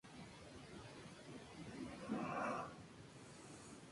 La torre está formada por tres cuerpos decrecientes del campanario y la cúpula.